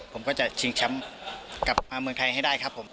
ผมก็จะชิงแชมป์กลับมาเมืองไทยให้ได้ครับผม